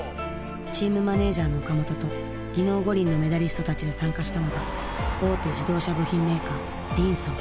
チームマネージャーの岡本と技能五輪のメダリストたちで参加したのが大手自動車部品メーカーＤンソー。